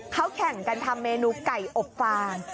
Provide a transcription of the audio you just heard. เขาแข่งกันทำเมนูไก่อบฟาง